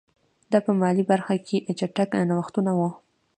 دا په مالي برخه کې چټک نوښتونه وو